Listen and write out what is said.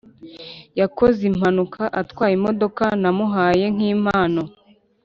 Yakoze impanuka atwaye imodoka namuhaye nk’impano